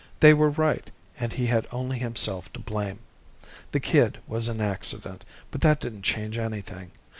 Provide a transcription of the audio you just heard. They were right, and he had only himself to blame. The kid was an accident, but that didn't change anything.